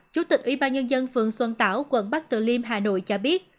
chủ tịch ủy ban nhân dân phường xuân tảo quận bắc từ liêm hà nội cho biết